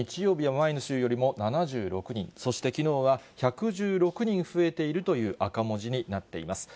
土曜日は前の週よりも１５５人、日曜日は前の週よりも７６人、そしてきのうは１１６人増えているという赤文字になっています。